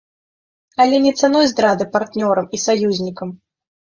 Але не цаной здрады партнёрам і саюзнікам.